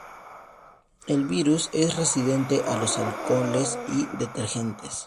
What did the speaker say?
El virus es resistente a los alcoholes y detergentes.